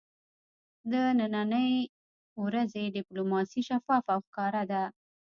د ننی ورځې ډیپلوماسي شفافه او ښکاره ده